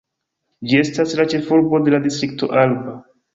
Ĝi estas la ĉefurbo de la Distrikto Alba.